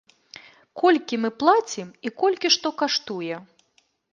Колькі мы плацім і колькі што каштуе?